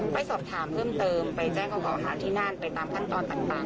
ไปสอบถามเพิ่มเติมไปแจ้งเขาหาที่นั่นไปตามขั้นตอนต่าง